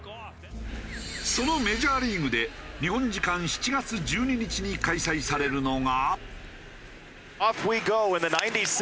そのメジャーリーグで日本時間７月１２日に開催されるのが。